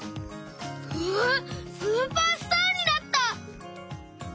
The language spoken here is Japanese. うわっスーパースターになった！